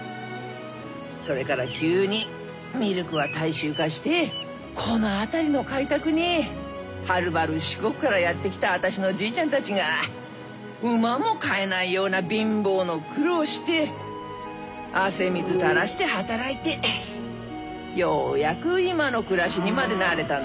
それから急にミルクは大衆化してこの辺りの開拓にはるばる四国からやって来た私の祖父ちゃんたちが馬も飼えないような貧乏の苦労して汗水垂らして働いてようやく今の暮らしにまでなれたんだ。